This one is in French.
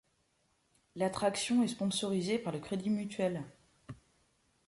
L'attraction est sponsorisée par le Crédit mutuel.